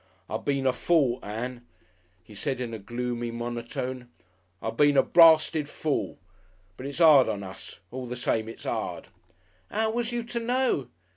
"I been a fool, Ann," he said in a gloomy monotone. "I been a brasted fool. But it's 'ard on us, all the same. It's 'ard." "'Ow was you to know?"